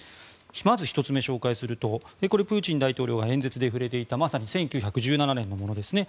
まず１つ目、紹介するとプーチン大統領が演説で触れていたまさに１９１７年のものですね。